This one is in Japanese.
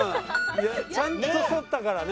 ちゃんと反ったからね。